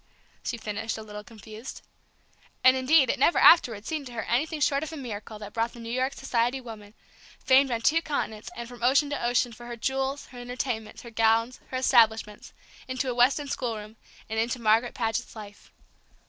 she finished, a little confused. And indeed it never afterward seemed to her anything short of a miracle that brought the New York society woman famed on two continents and from ocean to ocean for her jewels, her entertainments, her gowns, her establishments into a Weston schoolroom, and into Margaret Paget's life.